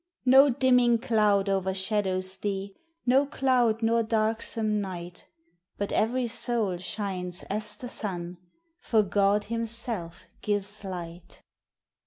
No dimming cloud o'ershadows thee, No cloud nor darksome night, But every soul shines as the sun For God himself gives light.